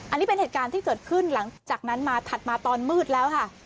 อันนี้เป็นเหตุการณ์ที่เกิดขึ้นหลังจากนั้นมาถัดมาตอนมืดแล้วค่ะ